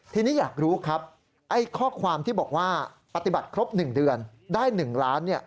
ทีนี้อยากรู้ครับไอ้ข้อความที่บอกว่าปฏิบัติครบ๑เดือนได้๑ล้าน